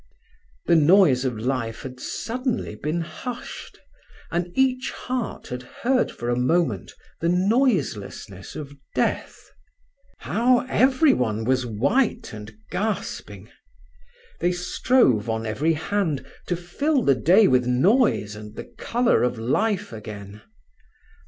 The noise of life had suddenly been hushed, and each heart had heard for a moment the noiselessness of death. How everyone was white and gasping! They strove, on every hand, to fill the day with noise and the colour of life again.